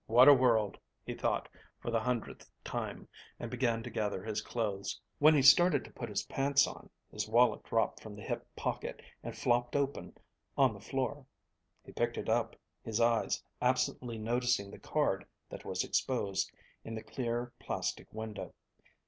What a world, he thought for the hundredth time and began to gather his clothes. When he started to put his pants on, his wallet dropped from the hip pocket and flopped open on the floor. He picked it up, his eyes absently noticing the card that was exposed in the clear, plastic window.